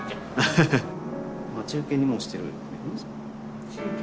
待ち受けにもしてる。